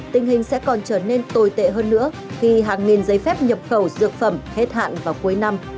tình hình sẽ còn trở nên tồi tệ hơn nữa khi hàng nghìn giấy phép nhập khẩu dược phẩm hết hạn vào cuối năm